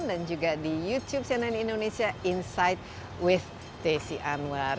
dan juga di youtube cnn indonesia insight with desi anwar